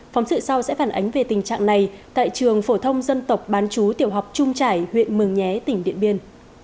phóng sự sau sẽ phản ánh về tình trạng này tại trường phổ thông dân tộc bán chú tiểu học trung trải huyện mường nhé tỉnh điện biên